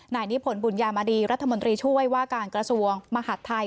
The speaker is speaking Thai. นายนิพนธบุญยามดีรัฐมนตรีช่วยว่าการกระทรวงมหาดไทย